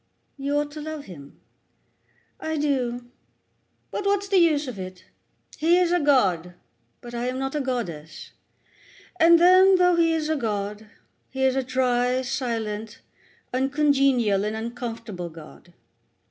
"You ought to love him." "I do; but what's the use of it? He is a god, but I am not a goddess; and then, though he is a god, he is a dry, silent, uncongenial and uncomfortable god.